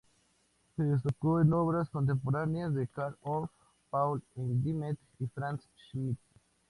Se destacó en obras contemporáneas de Carl Orff, Paul Hindemith y Franz Schmidt.